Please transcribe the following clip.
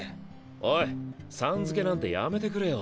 おいさん付けなんてやめてくれよ。